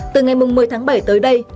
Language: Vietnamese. từ ngày một mươi tháng bảy tới đây